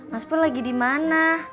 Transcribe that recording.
mas pun lagi di mana